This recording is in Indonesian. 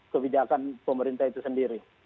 kebijakan pemerintah itu sendiri